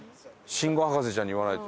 信号博士ちゃんに言わないと。